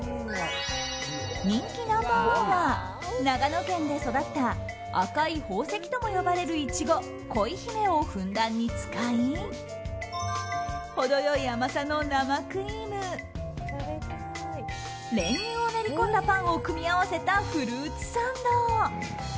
人気ナンバー１は長野県で育った赤い宝石とも呼ばれるイチゴ恋姫をふんだんに使い程良い甘さの生クリーム練乳を練りこんだパンを組み合わせた、フルーツサンド。